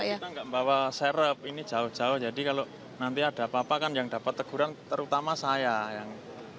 karena kita enggak membawa serep ini jauh jauh jadi kalau nanti ada apa apa kan yang dapat teguran terutama saya yang